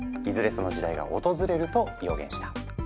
その時代が訪れると予言した。